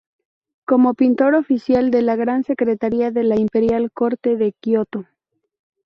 Como Pintor oficial de la Gran Secretaría de la Imperial Corte de Kyoto.